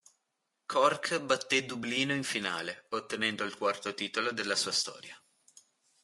Cork batté Dublino in finale, ottenendo il quarto titolo della sua storia.